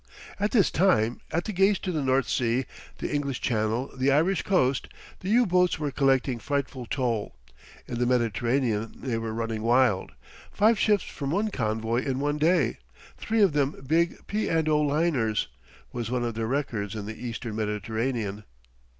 At this time at the gates to the North Sea, the English Channel, the Irish coast the U boats were collecting frightful toll. In the Mediterranean they were running wild. Five ships from one convoy in one day three of them big P. & O. liners was one of their records in the Eastern Mediterranean.